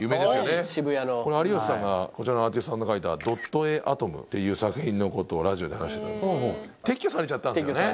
これ有吉さんがこちらのアーティストさんの描いた「ドット絵アトム」っていう作品のことをラジオで話してた撤去されちゃったんですよね？